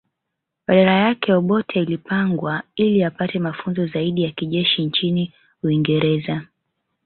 Badala yake Obote ilipangwa ili apate mafunzo zaidi ya kijeshi nchini Uingereza